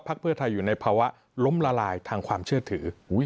เพื่อไทยอยู่ในภาวะล้มละลายทางความเชื่อถือ